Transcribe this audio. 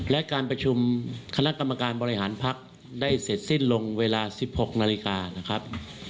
และการประชุมคณะกรรมการบริหารพักได้เสร็จสิ้นลงเวลา๑๖นาฬิกานะครับ